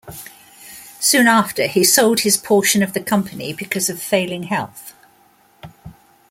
Soon after, he sold his portion of the company because of failing health.